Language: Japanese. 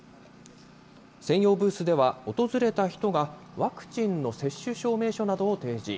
専用ブースでは、訪れた人が、ワクチンの接種証明書などを提示。